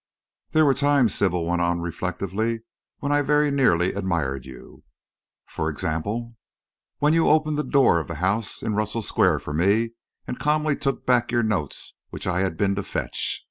"There were times," Sybil went on reflectively, "when I very nearly admired you." "For example?" "When you opened the door of the house in Russell Square for me and calmly took back your notes which I had been to fetch.